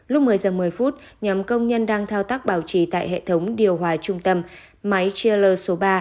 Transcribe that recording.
lúc một mươi giờ một mươi phút nhóm công nhân đang thao tác bảo trì tại hệ thống điều hòa trung tâm máy chiller số ba